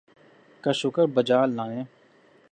کا شکر بجا لانے